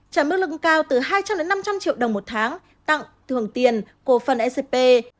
trả mức lượng cao từ hai trăm linh năm trăm linh triệu đồng một tháng tặng thưởng tiền cổ phân scp